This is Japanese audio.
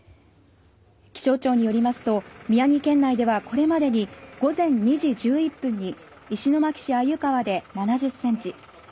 気象庁によりますと宮城県内ではこれまでに午前２時１１分に石巻市鮎川で７０センチ。